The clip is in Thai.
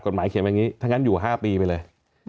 กฎหมายเขียนเป็นอย่างนี้ถ้างั้นอยู่๕ปีไปเลย